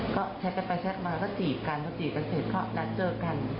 ก็แชร์ไปแชร์มาจีบกันจีบกันเสร็จก็เจอกัน